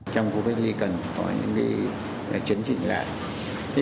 trong khu cách ly cần có những chấn chỉnh lại